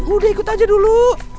udah ikut aja dulu